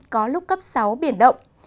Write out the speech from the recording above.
có lúc cấp sáu biển động